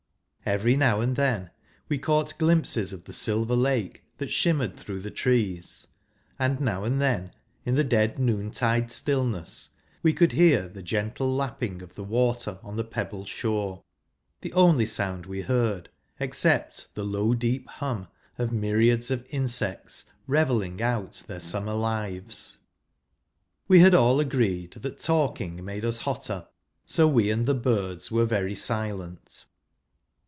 Every now and then, we caught glimpses of the silver lake that shimmered through the trees ; and, now and then, in the dead noon tide stillness, we could hear the gentle lapping of the water on the pebbled shore — the only sound we heard, except the low deep hum of myriads of insects revelling out their summer lives. We had all agreed that talking, made us hotter, so we and the birds were very silent.